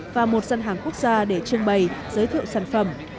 và một dân hàng quốc gia để trưng bày giới thiệu sản phẩm